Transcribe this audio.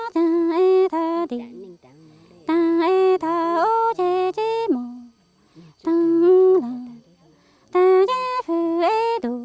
đã nhìn ở đây